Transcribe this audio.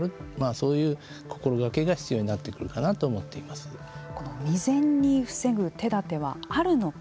そういう心がけが必要になってくるかなと未然に防ぐ手だてはあるのか。